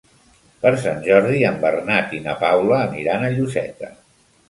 Per Sant Jordi en Bernat i na Paula aniran a Lloseta.